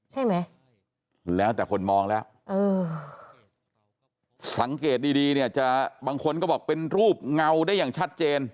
ใช่ไหมแล้วแต่คนมองแล้วสังเกตดีดีเนี่ยจะบางคนก็บอกเป็นรูปเงาได้อย่างชัดเจน